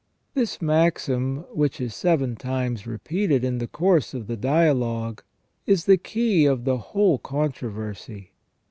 This maxim, which is seven times repeated in the course of the dialogue, is the key of the whole controversy.